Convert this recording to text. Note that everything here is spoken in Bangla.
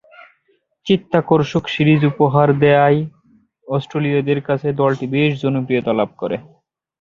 চিত্তাকর্ষক সিরিজ উপহার দেয়ায় অস্ট্রেলীয়দের কাছে দলটি বেশ জনপ্রিয়তা লাভ করে।